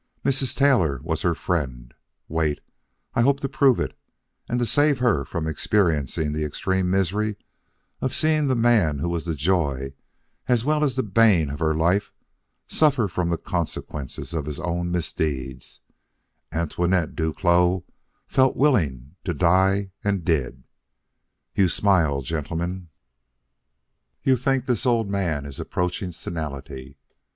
Mrs. Taylor was her friend wait, I hope to prove it and to save her from experiencing the extreme misery of seeing the man who was the joy as well as bane of her life suffer from the consequences of his own misdeeds, Antoinette Duclos felt willing to die and did. You smile, gentlemen. You think the old man is approaching senility.